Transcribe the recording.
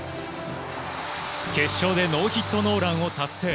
決勝でノーヒットノーランを達成。